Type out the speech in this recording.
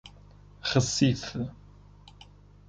Recife